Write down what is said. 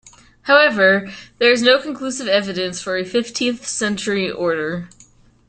However, there is no conclusive evidence for a fifteenth-century order.